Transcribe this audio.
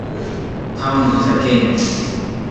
kaunti za kenya